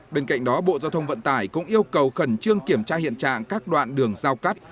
bên cạnh đó bộ giao thông vận tải cũng yêu cầu khẩn trương kiểm tra hiện trạng các đoạn đường giao cắt